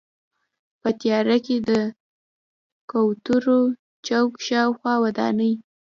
په تیاره کې د کوترو چوک شاوخوا ودانۍ.